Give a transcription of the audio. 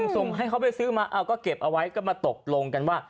ส่งให้เขาไปซื้อมาเอาก็เก็บเอาไว้ก็มาตกลงกันว่า